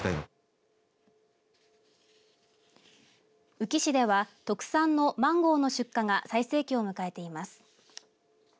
宇城市では特産のマンゴーの出荷が最盛期を迎えています。